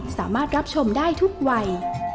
สามารถรับชมได้ทุกวัย